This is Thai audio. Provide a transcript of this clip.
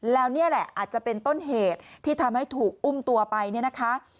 แล้วนี่แหละอาจจะเป็นต้นเหตุที่ทำให้ถูกอุ้มตัวไปเนี่ยนะคะ